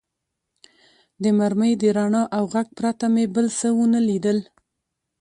د مرمۍ د رڼا او غږ پرته مې بل څه و نه لیدل.